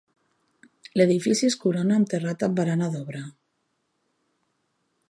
L'edifici es corona amb terrat amb barana d'obra.